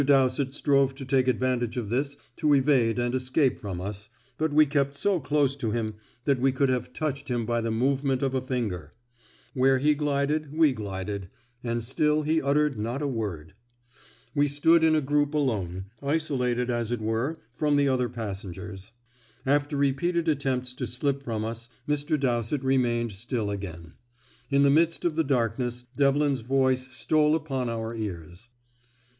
Dowsett strove to take advantage of this to evade and escape from us, but we kept so close to him that we could have touched him by the movement of a finger; where he glided, we glided; and still he uttered not a word. We stood in a group alone, isolated as it were, from the other passengers. After repeated attempts to slip from us, Mr. Dowsett remained still again. In the midst of the darkness Devlin's voice stole upon our ears.